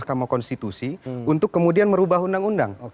mahkamah konstitusi untuk kemudian merubah undang undang